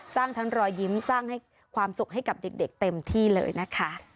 สร้างทั้งรอยยิ้มสร้างให้ความสุขให้กับเด็กเต็มที่เลยนะคะ